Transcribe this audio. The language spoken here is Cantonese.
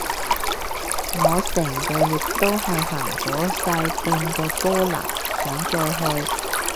我成個月都係行咗細半個波蘭，想再去